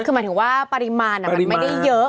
คือหมายถึงว่าปริมาณมันไม่ได้เยอะ